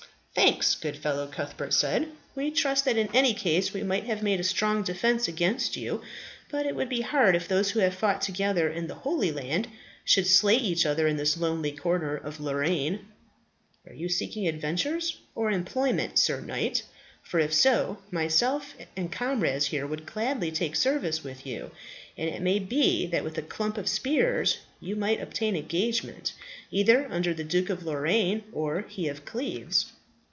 "Thanks, good fellow," Cuthbert said. "We trust that in any case we might have made a strong defence against you; but it would be hard if those who have fought together in the Holy Land, should slay each other in this lonely corner of Lorraine." "Are you seeking adventures or employment, Sir Knight? For if so, myself and comrades here would gladly take service with you; and it may be that with a clump of spears you might obtain engagement, either under the Duke of Lorraine or he of Cleves."